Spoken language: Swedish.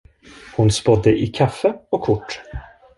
Hon spådde i kaffe och kort.